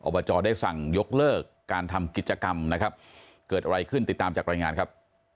บจได้สั่งยกเลิกการทำกิจกรรมนะครับเกิดอะไรขึ้นติดตามจากรายงานครับ